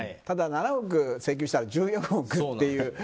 ただ７億請求したら１４億っていう。